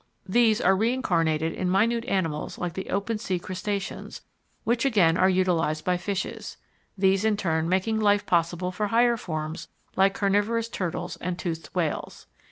These are reincarnated in minute animals like the open sea crustaceans, which again are utilised by fishes, these in turn making life possible for higher forms like carnivorous turtles and toothed whales.